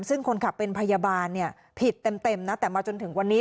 ซึ่งคนขับเป็นพยาบาลผิดเต็มนะแต่มาจนถึงวันนี้